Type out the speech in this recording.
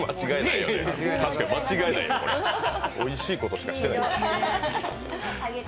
確かに間違いないよ、おいしいことしかしてない。